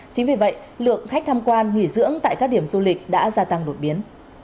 chính vì vậy lượng khách tham quan nghỉ dưỡng tại các điểm du lịch đã gia tăng đột biến